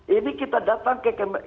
ini kita datang ke